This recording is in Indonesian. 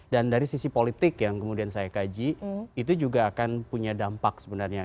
dan dari sisi politik yang kemudian saya kaji itu juga akan punya dampak sebenarnya